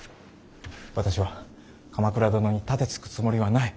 私は鎌倉殿に盾つくつもりはない。